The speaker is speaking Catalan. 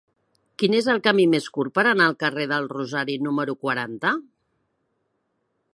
Quin és el camí més curt per anar al carrer del Rosari número quaranta?